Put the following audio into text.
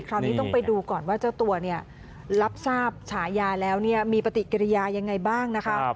คราวนี้ต้องไปดูก่อนว่าเจ้าตัวเนี่ยรับทราบฉายาแล้วมีปฏิกิริยายังไงบ้างนะคะ